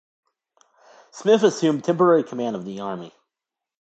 Smith assumed temporary command of the army.